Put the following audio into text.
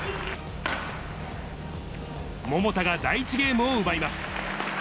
桃田が第１ゲームを奪います。